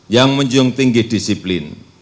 yang menjunjung tinggi disiplin